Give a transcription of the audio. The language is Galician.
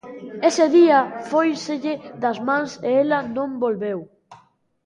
Ese día fóiselle das mans e ela non volveu.